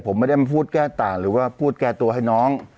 ผมไม่ได้มาพูดแก้ต่างหรือว่าพูดแก้ตัวให้น้อง